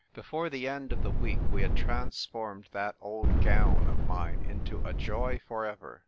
Before the end of the week we had transformed that old gown of mine into a joy for ever.